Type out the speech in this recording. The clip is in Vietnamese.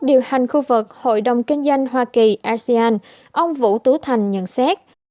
điều hành khu vực hội đồng kinh doanh hoa kỳ asean ông vũ tú thành nhận xét